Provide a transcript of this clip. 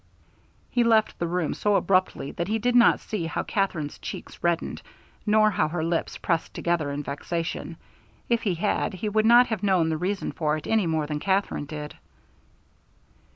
He left the room so abruptly that he did not see how Katherine's cheeks reddened, nor how her lips pressed together in vexation. If he had he would not have known the reason for it any more than Katherine did.